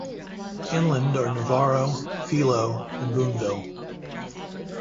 Inland are Navarro, Philo, and Boonville.